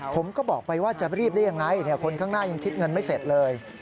ผมก็บอกไปว่าจะรีบได้ยังไงคนข้างหน้ายังคิดเงินไม่เสร็จเลย